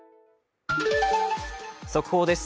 速報です。